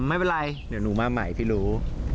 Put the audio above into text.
ไม่เป็นไรเดี๋ยวหนูมาใหม่พี่รู้